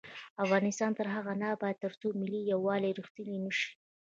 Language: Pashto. افغانستان تر هغو نه ابادیږي، ترڅو ملي یووالی رښتینی نشي.